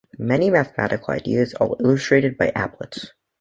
Many mathematical ideas are illustrated by applets.